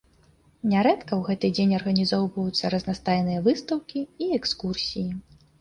Нярэдка ў гэты дзень арганізоўваюцца разнастайныя выстаўкі і экскурсіі.